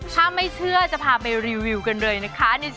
ช่วงแม่บ้านติดเบรษ